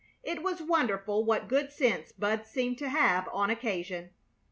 It was wonderful what good sense Bud seemed to have on occasion.